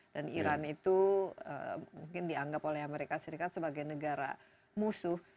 dan iran itu mungkin dianggap oleh amerika serikat sebagai negara musuh